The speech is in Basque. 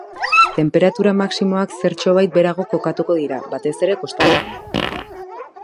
Tenperatura maximoak zertxobait beherago kokatuko dira, batez ere kostaldean.